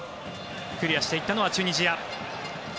クリアしていったのはチュニジア。